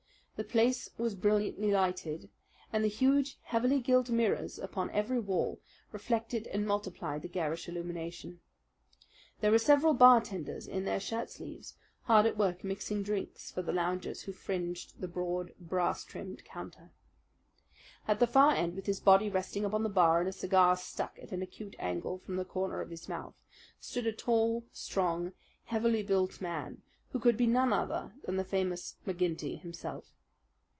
The place was brilliantly lighted, and the huge, heavily gilt mirrors upon every wall reflected and multiplied the garish illumination. There were several bartenders in their shirt sleeves, hard at work mixing drinks for the loungers who fringed the broad, brass trimmed counter. At the far end, with his body resting upon the bar and a cigar stuck at an acute angle from the corner of his mouth, stood a tall, strong, heavily built man who could be none other than the famous McGinty himself.